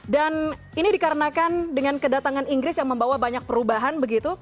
dan ini dikarenakan dengan kedatangan inggris yang membawa banyak perubahan